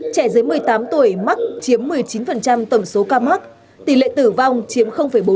trẻ dưới một mươi tám tuổi mắc chiếm một mươi chín tổng số ca mắc tỷ lệ tử vong chiếm bốn